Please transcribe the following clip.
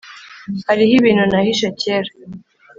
hariho ibintu nahishe kera